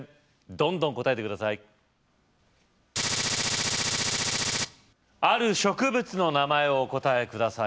どんどん答えて下さいある植物の名前をお答えください